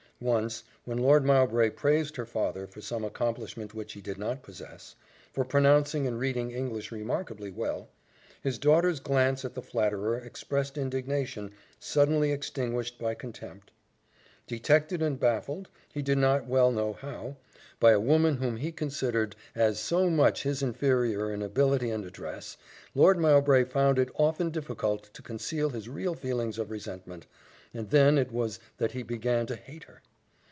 Once, when Lord Mowbray praised her father for some accomplishment which he did not possess for pronouncing and reading English remarkably well his daughter's glance at the flatterer expressed indignation, suddenly extinguished by contempt. Detected and baffled, he did not well know how, by a woman whom he considered as so much his inferior in ability and address, Lord Mowbray found it often difficult to conceal his real feelings of resentment, and then it was that he began to hate her.